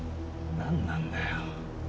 何なんだよ